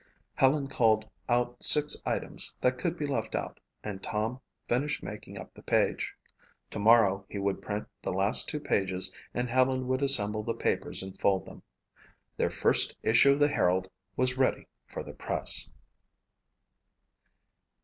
Helen culled out six items that could be left out and Tom finished making up the page. Tomorrow he would print the last two pages and Helen would assemble the papers and fold them. Their first issue of the Herald was ready for the press.